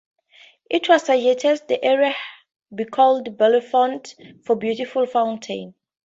It was suggested the area be called "Bellefonte" for "beautiful fountains.